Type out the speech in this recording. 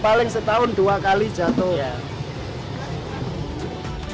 paling setahun dua kali jatuh ya